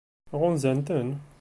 Ɣunzan-ten?